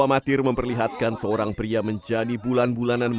apa yang terjadi di tempat ini